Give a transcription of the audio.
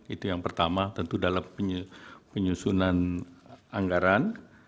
itu yang pertama tentu dalam penyusunan anggaran